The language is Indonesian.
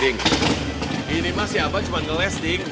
ini mah si aba cuma ngeles ding